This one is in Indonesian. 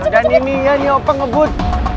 dan ini nih ya ini oba ngebut